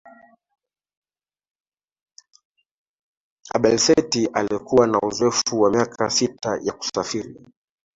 abelset alikuwa na uzoefu wa miaka sita ya kusafiri